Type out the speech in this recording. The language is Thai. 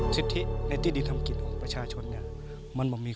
สิทธิในที่ดินทำกินของประชาชน